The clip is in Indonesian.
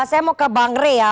saya mau ke bang rey ya